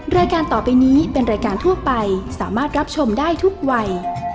รายการต่อไปนี้เป็นรายการทั่วไปสามารถรับชมได้ทุกวัย